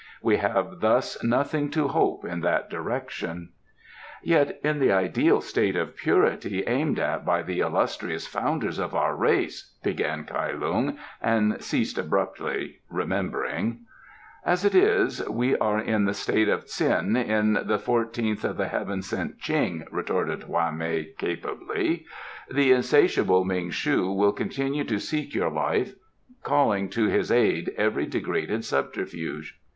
We have thus nothing to hope in that direction." "Yet in the ideal state of purity aimed at by the illustrious founders of our race " began Kai Lung, and ceased abruptly, remembering. "As it is, we are in the state of Tsin in the fourteenth of the heaven sent Ching," retorted Hwa mei capably. "The insatiable Ming shu will continue to seek your life, calling to his aid every degraded subterfuge.